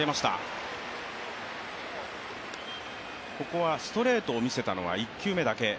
ここはストレートを見せたのは１球目だけ。